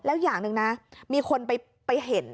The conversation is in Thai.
แล้วอย่างหนึ่งนะมีคนไปเห็น